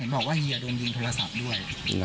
บอกว่าเฮียโดนยิงโทรศัพท์ด้วย